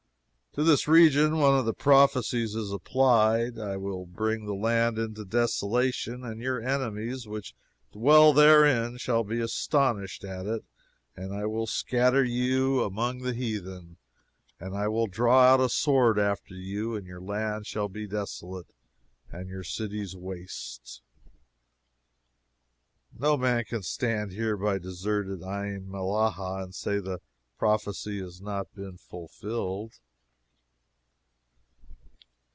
To this region one of the prophecies is applied: "I will bring the land into desolation; and your enemies which dwell therein shall be astonished at it. And I will scatter you among the heathen, and I will draw out a sword after you; and your land shall be desolate and your cities waste." No man can stand here by deserted Ain Mellahah and say the prophecy has not been fulfilled.